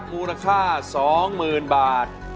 มูลค่า๒๐๐๐๐บาท